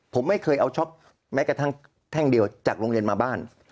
ผมไม่เคยเอาช็อปแม้กระทั่งแท่งเดียวจากโรงเรียนมาบ้าน